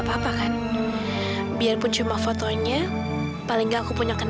sampai jumpa di video selanjutnya